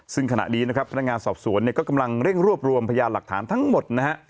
ซึ่งขณะนี้นะครับพนักงานสอบสวนเนี่ยก็กำลังเร่งรวบรวมพยานหลักฐานทั้งหมดนะฮะ